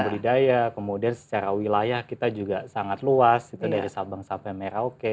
budidaya kemudian secara wilayah kita juga sangat luas itu dari sabang sampai merauke